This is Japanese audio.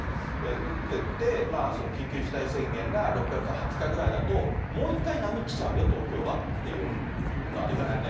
打ってって、緊急事態宣言が６月の２０日ぐらいだと、もう１回波来ちゃうよ、東京はっていうのありますよね。